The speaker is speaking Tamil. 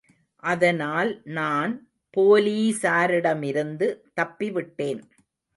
அதனால் நான் போலீசாரிடமிருந்து தப்பி விட்டேன்.